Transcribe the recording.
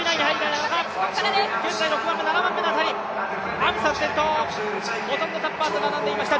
アムサン先頭、ほとんどタッパーと並んでいました。